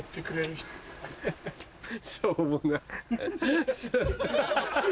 しょうもない。